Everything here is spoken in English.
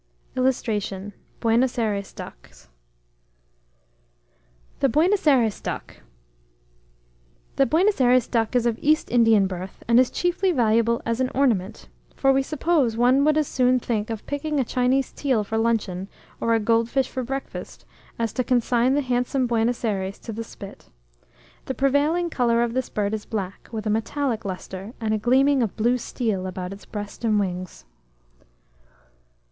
[Illustration: BUENOS AYRES DUCKS.] THE BUENOS AYRES DUCK. The Buenos Ayres duck is of East Indian birth, and is chiefly valuable as an ornament; for we suppose one would as soon think of picking a Chinese teal for luncheon, or a gold fish for breakfast, as to consign the handsome Buenos Ayres to the spit. The prevailing colour of this bird is black, with a metallic lustre, and a gleaming of blue steel about its breast and wings.